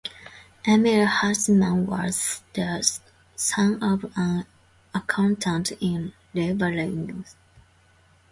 Emil Haussmann was the son of an accountant in Ravensburg.